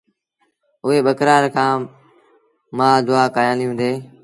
اُئي ٻڪرآڙ کي مآ دئآ ڪيآنديٚ هُݩدي۔